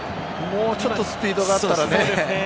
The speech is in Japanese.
もうちょっとスピードがあったらね。